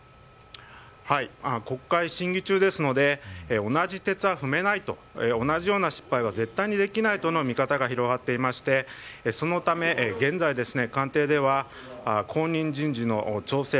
国会審議中ですので同じ轍は踏めない同じような失敗は絶対にできないとの見方が広がっていましてそのため、現在官邸では、後任人事の調整